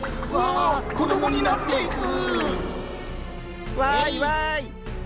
ああ子供になっていく。